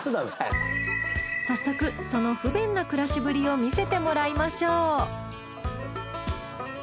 早速その不便な暮らしぶりを見せてもらいましょう。